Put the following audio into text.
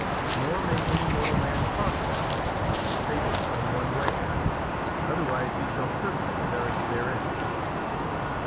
Nor may any mortal man cross that lake, saving in one way otherwise he shall certainly perish therein."